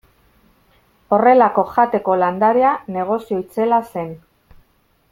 Horrelako jateko landarea negozio itzela zen.